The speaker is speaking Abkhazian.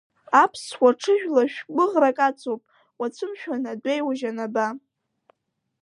Аԥсуа ҽыжәла шә-гәыӷрак ацуп, уацәымшәан адәеиужь анаба.